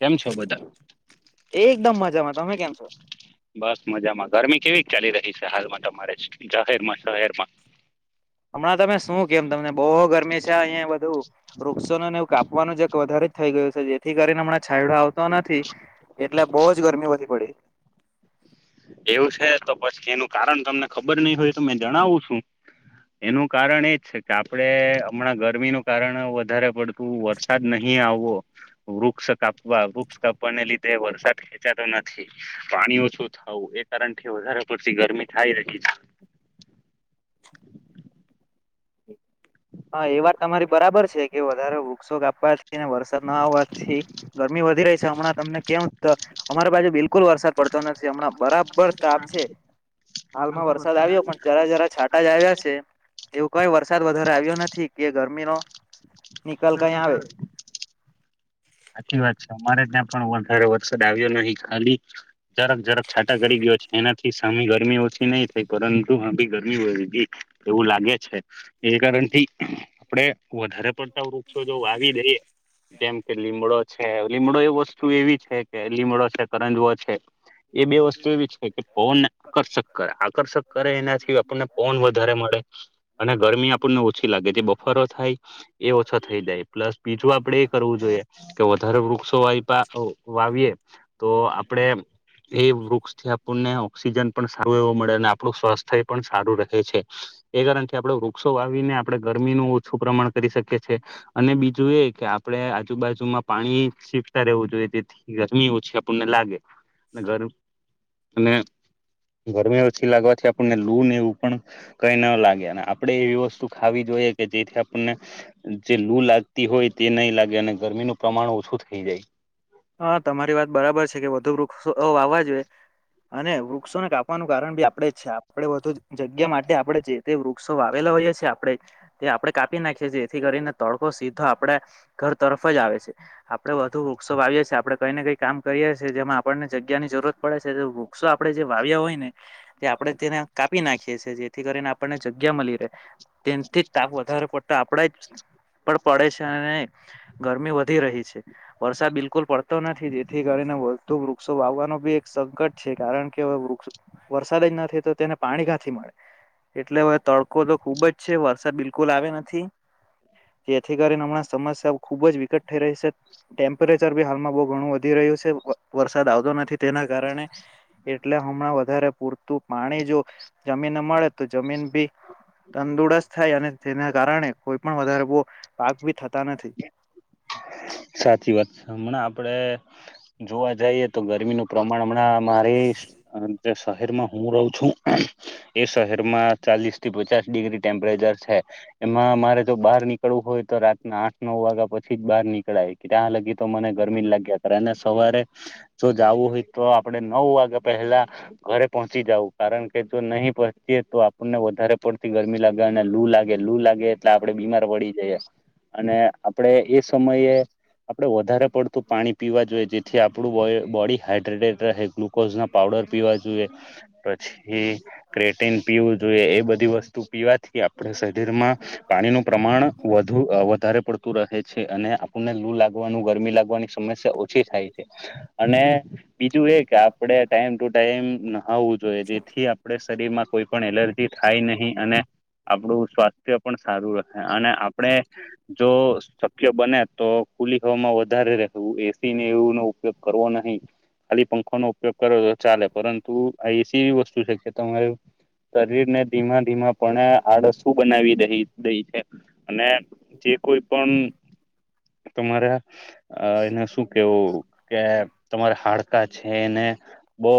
કેમ છો બધા એકદમ મજામાં તમે કેમ છો. બસ મજામાં ગરમી કેવી ચાલી રહી છે. હાલમાં તમારે જાહેરમાં શહેરમાં હમણાં તમે શું કેવું તમને બહુ ગરમી. અહીંયા બધું વૃક્ષોને એવું કાપવાનું જ એક વધારે જ થઈ ગયું છે. જેથી કરીને હમણાં. છાયડો આવતો નથી એટલે બહુ જ ગરમી વધી પડી,. એવું છે. તો પછી એનું કારણ તમને ખબર નહી હોય તો મે જણાવું છું. એનું કારણ એજ છે. કે આપડે હમણાં ગરમીનું કારણ વધારે પડતું વરસાદ નહીં. આવો વૃક્ષ કાપવા વૃક્ષ કાપવાને લીધે વરસાદ ખેંચાતો નથી. ઓછું થાવું એ કારણથી વધારે પડતી ગરમી થાય રહી છે. હા, એ વાત તમારી બરાબર છે. કે વધારે વૃક્ષો કાપવા થી. વરસાદ ના આવવાથી ગરમી વધી રહી છે. હમણાં તમને કેમ અમારી બાજુ બિલકુલ બિલકુલ વરસાદ પડતો નથી હમણાં બરાબર તાપ છે. હાલમાં વરસાદ આવ્યો પણ જરા જરા છાંટા જ આવ્યા છે. એવું ક્યાં વરસાદ વધારે આવ્યો. નથી કે ગરમી નો નિકાલ કઈ આવે. સાચી વાત છે. અમારે ત્યાં પણ વધારે વરસાદ આવ્યો નહીં ખાલી જરક જરક છાંટા કરી ગયો એનાથી સામે ગરમી ઓછી નહી થઈ પરંતુ ત્યાં ભી ગરમી ઓં વધી ગઈ એવું લાગે છે. એ કારણથી આપડે વધારે પડતા વૃક્ષો જો વાવી દઈએ તેમ. લીમડો છે. લીમડો એ વસ્તુ એવી છે કે લીમડો છે. કરંજવો છે. એ બે વસ્તુ એવી છે કે પવનને આકર્ષક કરે આકર્ષક કરે એનાથી આપણને પવન વધારે મળે એટલે અને ગરમી આપણને ઓછી લાગે જે બફારો થાય એ ઓછો થઈ જાય પ્લસ બીજું આપડે એ કરવું જોઈએ કે વધારે વૃક્ષો વાવીએે તો આપડે એ વૃક્ષથી આપણને ઓક્સિજન પણ સારો એવો મળે અને આપણું સ્વાસ્થ્ય એ પણ સારું રહે છે. એ કારણથી આપડે વૃક્ષો વાવીને આપણે ગરમીનું ઓછું પ્રમાણ કરી શકીએ. છે અને બીજું એ કે આપડે આજ બાજુમાં પાણી સીંચતા રહેવું જોઈએ તેથી ગરમી ઓછી આપણને લાગે અને ગર અને ગરમી ઓછી લાગવાથી આપણને લૂ ને એવું પણ કઈ ન લાગે અને આપડે એવી વસ્તુ ખાવી જો જોઈએ કે જેથી આપણને જે લૂ લાગતી હોય તે નહીં લાગે અને ગરમીનું પ્રમાણ ઓછું થઈ જાય. હા તમારી વાત બરાબર છે. કે વધુ વૃક્ષો વાવા જોઈએ અને વૃક્ષોને કાપવાનું કારણ બી આપડે જ છે આપણેે બધું જ જગ્યા માટે આપડે જે તે વૃક્ષો વાવેલા હોઈએ છીએ આપણે તે આપડે કાપી નાખીએ છીએ જેથી કરીને તડકો સીધો આપડા ઘર તરફ જ આવે છે આપડે વધુ વૃક્ષો વા આવીએ કઈને કઈ કામ કરીએ છીએ જેમાં આપણને જગ્યા ની જરૂરત પડે છે. ત્યારે વૃક્ષો આપણે જે વાવ્યા હોય ને એ આપણે તેને કાપી નાખીએ છીએ જેથી કરીને આપણને જગ્યા મળી રે તેનથી તાપ વધારે પડતો આપડા ઉપર પડે છે અને ગરમી વધી રહી છે‌ વરસાદ બિલકુલ પડતો નથી જેથી કરીને વધુ વૃક્ષો વાવવાનો બી એક સંકટ છે કારણ કે હવે વૃક્ષ વરસાદ જ નથી તો તેને પાણી ક્યાંથી મળે એટલે હવે તડકો તો ખુબ જ છે વરસાદ બિલકુલ આવે નથી. જેથી કરીને હમણાં સમસ્યા ખુબ જ વિકટ થઈ રહી છે ટેમ્પરેચ ચર બી હાલમાં બહુ ઘણું વધી રહ્યું છે વરસાદ આવતો નથી તેના કારણે એટલે હમણાં વધારે પૂરતું પાણી જો જમીન ને મળે તો જમીન બી તંદુરસ્ત થાય અને તેના કારણે કોઈ પણ વધારે પાક ભી થતા નથી સાચી વાત છે હમણાં આપડે જોવા જઈએ તો ગરમીનું પ્રમાણ હમણાં મારે શહેરમાં હું રહું છું એ શહેરમાં ચાલીસથી પચાસ ડિગ્રી ટેમ્પરેચર છે. એમાં મારે જો બહાર નીકળવું હોય તો રાતના આઠ નવ વાગ્યા પછી જ બહાર નીકળાય ત્યાં લગી તો મને ગરમી જ લાગે અને સવારે જો જાવું હોય તો આપડે નવ વા ગા પહેલા ઘરે પહોંચી જવું કારણ કે જો નહી પોંહચીએ તો આપણને વધારે પડતી ગરમી લાગે અને લૂ લાગે લુ લાગે એટલે આપડે બીમાર પડી જઈ અને આપડે એ સમયે આપડે વધારે પડતું પાણી પીવા જોઈએ જેથી આપણું બોડી હાડ્રેટેટ રહે ગ્લુકોઝ ના પાવડર પીવા જોઈએ પછી ક્રેટીન પીવું જોઈએ એ બધી વસ્તુ પીવાથી આપ આપણા શરીરમાં પાણીનું પ્રમાણ વધુ વધારે પડતું રહે છે અને આપને લૂ લાગવાનું ગરમી લાગવાની સમસ્યા ઓછી થાય છે અને બીજું એ કે આપણે ટાઈમ ટુ ટાઈમ નાહવું જોઈએ જેથી આપણે શરીરમાં કોઈ પણ એલર્જી થાય નહીં અને આપણું સ્વાસ્થ્ય પણ સારું રહે અને આપણે જો શક્ય બને તો ખુલી હવામાં વધારે રહેવુ એસી ને એવું નો ઉપયોગ કરવો નહી ખાલી પંખાનો ઉપયોગ કરો તો ચાલે પરંતુ આ એસી એવી વસ્તુ છે કે તમારે શરીર ને ધીમા ધીમા પણે આડસું બનાવી દહી દઈ છે અને જે કોઈ પણ તમારા એને શું કેવું કે તમારા હાડકા છે એને બહુ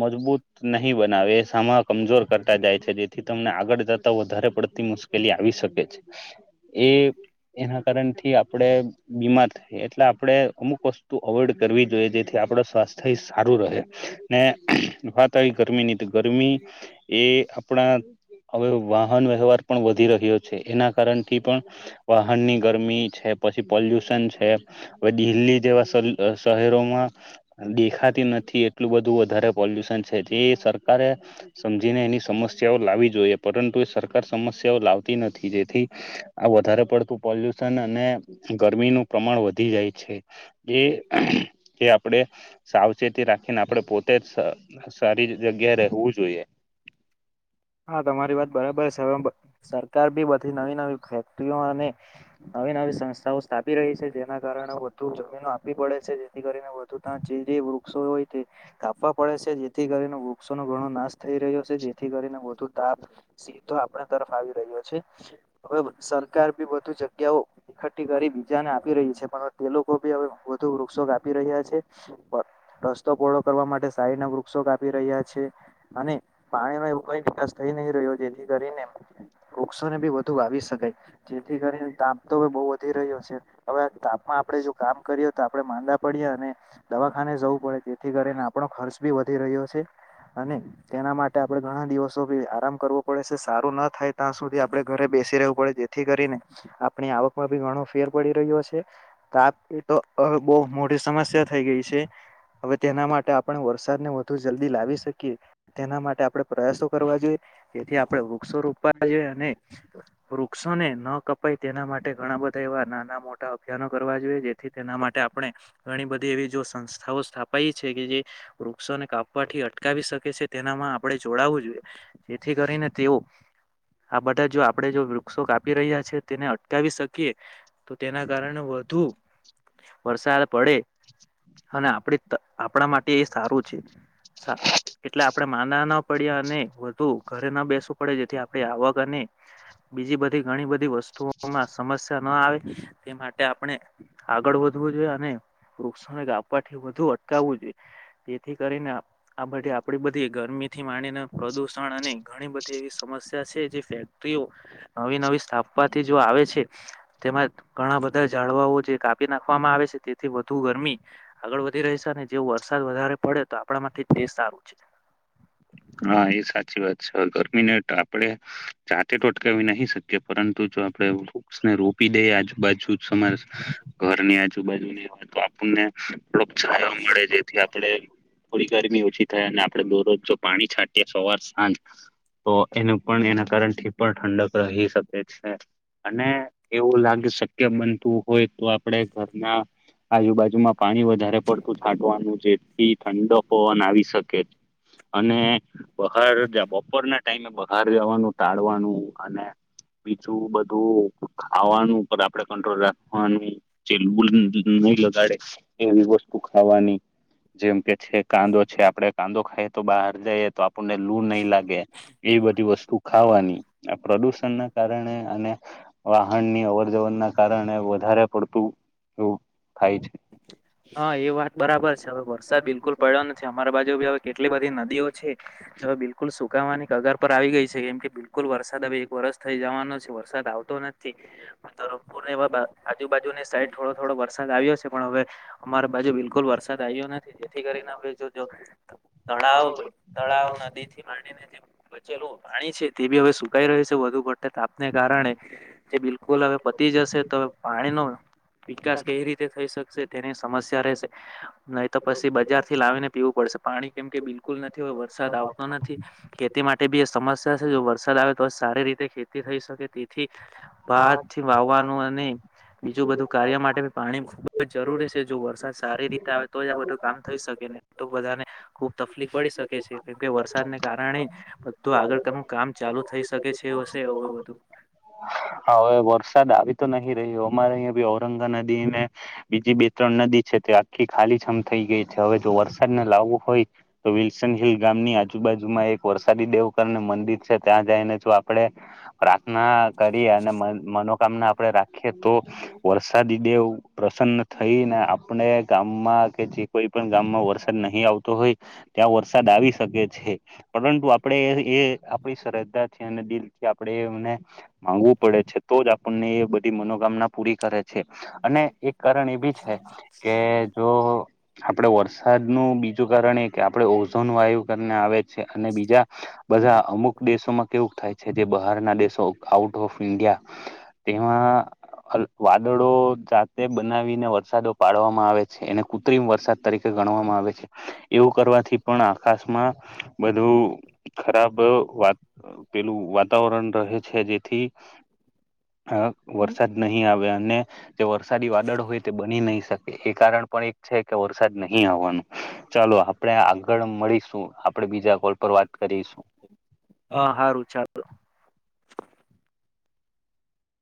મજબૂત નહી બનાવે સામાં કમજોર કરતા જાય છે જેથી તમને આગળ જતા વધારે પડતી મુશ્કેલી આવી શકે છે. એ એના કારણથી આપણે બીમાર થઈએ એટલે આપણે અમુક વસ્તુ અવોઈડ કરવી જોઈએ જેથી આપણ સ્વાસ્થ્ય સારું રહે. ને વાત આવી ગરમીની તો ગરમી એ આપણા હવે વાહન વ્યવહાર પણ વધી રહ્યો એના કારણ થી પણ વાહનની ગરમી છે. પછી પોલ્યુશન છે હવે દિલ્હી જેવા શહેરોમાં દેખાતી નથી એટલું બધું વધારે પોલ્યુશન છે જે સરકારે સમજીને એની સમસ્યાઓ લાવવી જોઈએ પરંતુ એ સરકાર સમસ્યાઓ લાવતી નથી જેથી વધારે પડતું પોલ્યુશન અને ગરમીનું પ્રમાણ વધી જાય છે. એ એ આપણેે સાવચેતી રાખીને આપડે પોતે સ સારી જગ્યા રહેવું જોઈએ. હા તમારી વાત બરાબર સરકાર બી બધી નવી નવી ફેક્ટરીઓ અને નવી નવી સંસ્થાઓ સ્થાપી રહી છે જેના કારણે વધુ જમીનો આપવી પડે છે જેથી કરીને વધુ વૃક્ષો હોય કાપવા પડે છે જેથી કરીને વૃક્ષોનો ઘણો નાશ થઈ રહ્યો છે જેથી કરીને તાપ સીધો આપણા તરફ આવી રહ્યો છે હવે સરકાર બી વધુ જગ્યાઓ એકઠ્ઠી કરી બીજાને આપી રહી છે પણ તે લોકો ભી હવે વધુ વૃક્ષો કાપી રહ્યા છે. રસ્તો પળો કરવા માટે સાઈડ ના વૃક્ષો કાપી રહ્યા છે અને પાણીમાં એવું કઈ થઈ નહી રહ્યો જેથી કરીને વૃક્ષોને બી વધુ વાવી શકાય જેથી કરીને તાપતો બો વધી રહ્યો છે હવે તાપમાં આપણે જો કામ કરીએ તો આપડણે માંદા પડીએ અને દવાખાને જવુ પડે તેથી કરીને આપણો ખર્ચ બી વધી રહ્યો છે અને તેના માટે આપણે ઘણા દિવસ આરામ કરવો પડે છે સારું ના થાય ત્યાં સુધી આપણે ઘરે બેસી રહેવું પડે જેથી કરીને આપણી આવકમાં બી ઘણો ફેર પડી રહ્યો છે તાપ તો એ બહુ મોટી સમસ્યા થઈ ગઈ છે. હવે તેના માટે આપણે વરસાદને વધુ જલ્દી લાવી શકીએ તેના માટે આપણે પ્રયાસો કરવા જોઈ તેથી આપણે વૃક્ષો રોપવા જોઈએ અને વૃક્ષોને ન કપાય તેના માટે માટે ઘણા બધા એવા નાના મોટા અભિયાનો કરવા જોઈએ જેથી તેના માટે આપણે ઘણી બધી એવી જો સંસ્થા સ્થાપાય છે કે જે વૃક્ષોને કા વાથી અટકાવી શકે છે તેનામાં આપણે જોડાવું જોઈએ જેથી કરીને તેઓ આ બધા જો આપણેે જો વૃક્ષો કાપી રહ્યા છે તેને અટકાવી શકીએ તો તેને કારણે વધુ વરસાદ પડે અને આપણે આપણા માટે એ સારું છે. સા એટલે આપડે દા ના પડ્યા અને વધુ ઘરે ના બેસવું પડે જેથી આપણે આવકની બીજી બધી ઘણી બધી વસ્તુઓમાં સમસ્યા ન આવે. તે માટે આપણે આગળ વધવું જોઈએ અને વૃક્ષોને ગાપા થી વધુ અટકાવવું જોઈએ તેથી કરીને આ બધી આપડી બધી ગરમી થી માનીને પ્રદુષણ અને ઘણી બધી એવી સમસ્યા છે. ફેક્ટરીઓ નવી નવી સ્થાપ વાથી જો આવે છે તેમાં ઘણા બધા જાળવાઓ જે કાપી નાખવામાં આવે છે તેથી વધુ વ ગરમી આગળ વધી ર છે અને જે વરસાદ વધારે પડે તો આપણા થી તે સારું છે. હા એ સાચી વાત છે ગરમીને આપડે જાતે ટોટકાવી નહી શકીએ પરંતુ જો આપડે વૃક્ષને રોપી દઈ આજુબાજુરે ઘરની આજુબાજુ તો આપણને મળે જેથી આપે થોડી ગરમી ઓછી થાય અને આપે દરરોજ પાણી છાંટએ સવાર સાંજ તો એનું પણ એના કારણ થી પણ ઠંડક રહી શકે છે. અને એવું લાગી શક્ય બનતું હોય તો આપડે ઘરના આજુબાજુમાં પાણી વધારે પડતું છાટવાનું જેથી ઠંડક પવન આવી શકે. અને બહાર બપોરના ટાઈમે બહાર જવાનું ટાળવાનું અને બીજું બધું ખાવાનું આપડે કંટ્રોલ રાખવાની [unintelligible] નહી લગાડે એવી વસ્તુ ખાવાની જેમ કે છે કાંદો છે આપડે કાંદો ખાય તો બહાર જઈએ તો આપ આપને લૂ નહીં લાગે એ બધી વસ્તુ ખાવાની આ પ્રદુષણ ના કારણે અને વાહન ની અવર જવર ના કારણે વધારે પડતું એવું થાય છે હા એ વાત બરાબર છે હવે વરસાદ બિલકુલ પડ્યો નથી અમારી બાજુ બી હવે કેટલી બધી નદીઓ છે હવે બિલકુલ સુકાવાની કગાર પર આવી ગઈ છે કેમ કે બિલકુલ વરસાદ હ એક વાર વરસ થઇ જવાનો છે વરસાદ આવતો નથી પૂર એ આજુબાજુની સાઈડ થોડો થોડો વરસાદ આવ્યો છે. પણ હવે અમારે બાજુ બિલકુલ વરસાદ આવ્યો નથી જેથી કરીને જોજો તળાવ તળાવ નદી થી બાડીને જે બચેલું પાણી છે તે બી હવે સુકાઈ રહ્યું છે વધુ પડે તાપને કારણે જે બિલકુલ હવે પતી જશે તો પાણીનો વિકાસ કઈ રીતે થઈ શકશે તેની સમસ્યા રહેશે. નહી તો પછી બજાર થી લાવીને પીવું પડશે પાણી કેમ કે બિલકુલ નથી હો વરસાદ આવતો નથી ખેતીમાં. માટે બી એ સમસ્યા છે જો વરસાદ આવે તો સારી રીતે ખેતી થઈ શકે તે. થી ભારથી વાવવાનું અને બીજું બધું કાર્ય માટે પાણી. જ જરૂરી છે જો વરસાદ સારી રીતે આવે તો જ આ બધું કામ થઈ શકે નહી તો બધા‌ને ખુબ તકલીફ પડી શકે. કે છે કેમકે વરસાદને કારણે બધું આગળનું કામ ચાલુ થઈ શકે છે હશે બધું. હાવે વરસાદ આવી તો નહી રહ્યો અમારે અહીંયા બી ઔરંગા નદી ને બીજી બે ત્રણ નદી છે તે આખી ખાલી જમ થઈ ગઈ છે હવે જો વરસાદ ને લાવવો હોય તો વિલ્સન હિલ ગામની આજુ જ બાજુમાં એક વરસાદી દેવકર ને મંદિર છે ત્યાં જઈને જો આપડે પ્રાર્થના કરીએ અને મનોકામના આપડે રાખીએ તો વરસાદી દેવું પ્રસન્ન થઈ ને આપણે ગામમાં કે જે કોઈ પણ ગામમાં વરસાદી નહી આવતો હોય ત્યાં વરસાદ આવી શકે છે પરંતુ આપણે એ આપણી સર અને દિલથી આપડે એમને માંગવું પડે છે તો જ આપણને એ બધી મનોકામના પૂરી કરે છે અને એક કારણ એ બી છે કે જો આપડે વર્ષ વરસાદ નું બીજું કારણ એ કે આપણે ઓઝોન વાયુ કરીને આવે છે અને બીજા બધા અમુક દેશોમાં કેવું થાય છે જે બહાર ના દેશો આઉટ ઓફ ઇન્ડિયા તેમાં વાદળો જાતે બનાવીને વરસાદો પાડવામાં આવે છે એને કૃત્રિમ વરસાદ તરીકે ગણવામાં આવે છે એવું કરવાથી પણ આકાશમાં બધું ખરાબ વાત પેલું વાતાવરણ રહે છે જેથી અ વરસાદ નહીં આવે અને જે વરસાદી વાદળ હોય તે બની નહી શકે એ કારણ પણ એક છે કે વરસાદ નહી આવવાનું ચાલો આપણેે આગળ મળીશું આપડે બીજા કોલ પર વાત કરીશું. હા હારું ચાલો